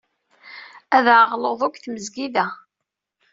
Ad aɣeɣ luṭu deg tmezgida.